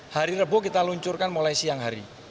hari rebo kita luncurkan mulai siang hari